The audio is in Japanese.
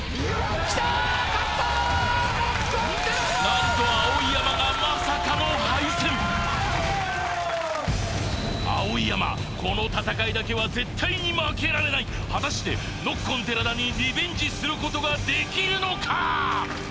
何と碧山この戦いだけは絶対に負けられない果たしてノッコン寺田にリベンジすることができるのか？